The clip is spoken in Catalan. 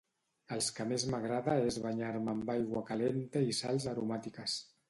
Els que més m'agrada és banyar-me amb aigua calenta i sals aromàtiques.